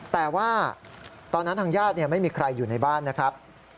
แต่ว่าตอนนั้นทางญาติไม่มีใครอยู่ในบ้านนะครับ